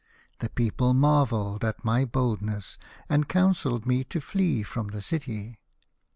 The people marvelled at my boldness, and counselled me to flee from the city.